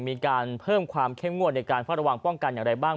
มีการเพิ่มความเข้มงวดในการเฝ้าระวังป้องกันอย่างไรบ้าง